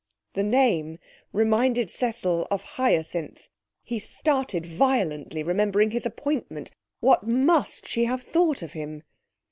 The name reminded Cecil of Hyacinth. He started violently, remembering his appointment. What must she have thought of him?